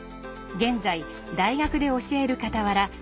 現在大学で教えるかたわら